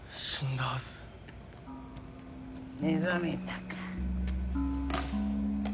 目覚めたか。